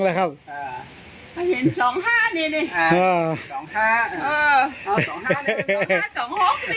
แต่เห็น๒๕เล็ก